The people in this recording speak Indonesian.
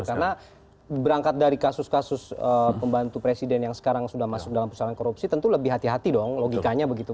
karena berangkat dari kasus kasus pembantu presiden yang sekarang sudah masuk dalam pusat korupsi tentu lebih hati hati dong logikanya begitu